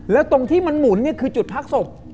แล้วตรงที่มันหมุนเนี่ยคือจุดพักศพ